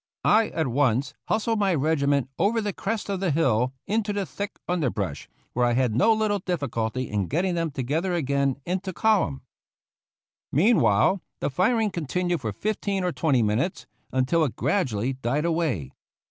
I at once hustled my regiment over the crest of the hill into the thick underbrush, where I had no little difficulty in getting them together again into column. Meanwhile the firing continued for fifteen or twenty minutes, until it gradually died away.